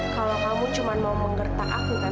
kalau kamu cuma mau menggertak aku kan